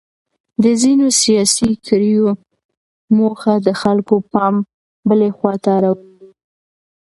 د ځینو سیاسي کړیو موخه د خلکو پام بلې خواته اړول دي.